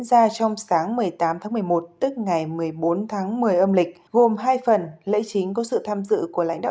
ra trong sáng một mươi tám tháng một mươi một tức ngày một mươi bốn tháng một mươi âm lịch gồm hai phần lễ chính có sự tham dự của lãnh đạo